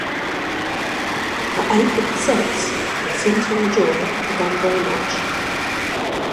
The ape accepts, and seems to enjoy the gum very much.